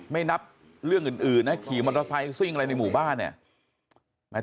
ไม่นับเรื่องอื่นนะขี่มอเตอร์ไซค์ซิ่งอะไรในหมู่บ้านเนี่ย